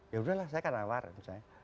ya udah lah saya akan nawarin